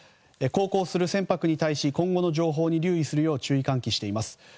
航行する船舶に対し今後の情報に留意するよう注意喚起しています。